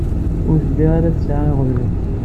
Ur telli ara tesɛa iɣeblan.